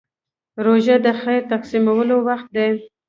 روژه د خیر تقسیمولو وخت دی.